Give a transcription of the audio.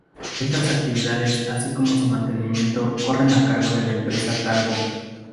Estas actividades, así como su mantenimiento, corren a cargo de la empresa Talgo.